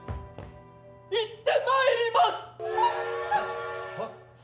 行ってまいります！